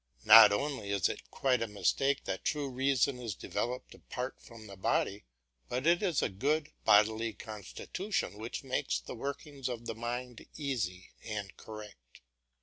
Not only is it quite a mistake that true reason is developed apart from the body, but it is a good bodily constitution which makes the workings of the mind easy and correct.